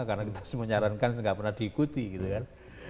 karena kita menyarankan gak pernah diikuti gitu kan